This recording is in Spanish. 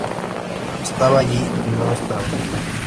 Estaba allí y no estaba.